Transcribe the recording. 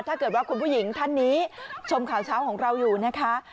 ถ้าเกิดว่าคุณผู้หญิงท่านนี้ชมข่าวเช้าของเราอยู่นะคะ